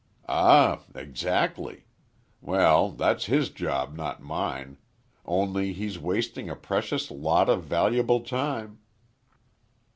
"Ah, exactly. Well, that's his job, not mine. Only he's wasting a precious lot of valuable time."